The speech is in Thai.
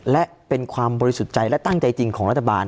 และเป็นความบริสุทธิ์ใจและตั้งใจจริงของรัฐบาล